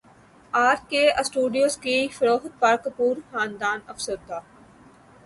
ار K studios کی فروخت پر کپور خاندان افسردہ